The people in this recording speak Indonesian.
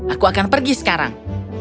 aku akan pergi sekarang